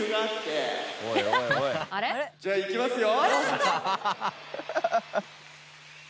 じゃあいきますよ！